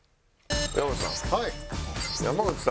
山内さん。